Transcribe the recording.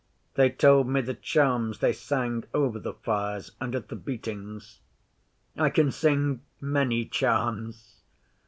They told me the charms they sang over the fires and at the beatings. I can sing many charms.